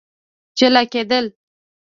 جلا کېدل